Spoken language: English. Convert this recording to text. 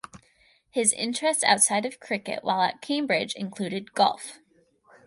His interests outside of cricket while at Cambridge included golf.